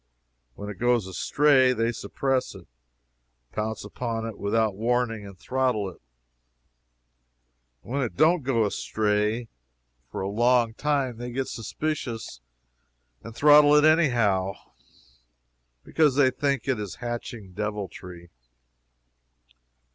When it goes astray, they suppress it pounce upon it without warning, and throttle it. When it don't go astray for a long time, they get suspicious and throttle it anyhow, because they think it is hatching deviltry.